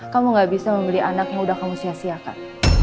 kamu tidak bisa membeli anak yang sudah kamu siasiakan